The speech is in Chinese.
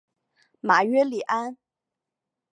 马约里安。